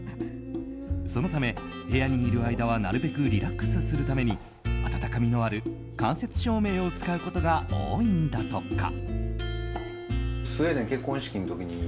そのため部屋にいる間はなるべくリラックスするために温かみのある間接照明を使うことが多いんだとか。